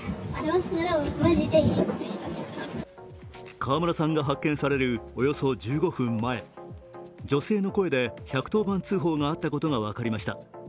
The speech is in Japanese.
川村さんが発見されるおよそ１５分前、女性の声で１１０番通報があったことが分かりました。